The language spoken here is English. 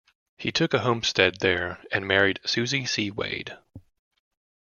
He took a homestead there and married Susie C. Wade.